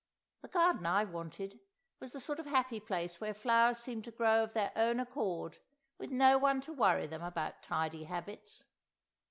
The garden I wanted was the sort of happy place where flowers seem to grow of their own accord with no one to worry them about tidy habits!